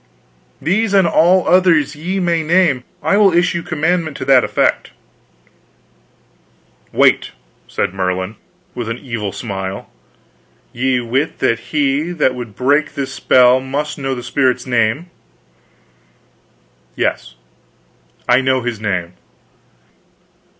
"These and all others ye may name. I will issue commandment to that effect." "Wait," said Merlin, with an evil smile. "Ye wit that he that would break this spell must know that spirit's name?" "Yes, I know his name."